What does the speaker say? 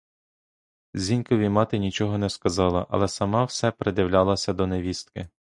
Зінькові мати нічого не сказала, але сама все придивлялася до невістки.